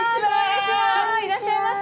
いらっしゃいませ。